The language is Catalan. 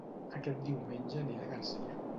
Aquest diumenge aniré a Garcia